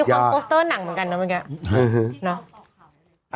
ความโปสเตอร์หนังเหมือนกันนะเมื่อกี้